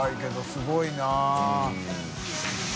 すごいな。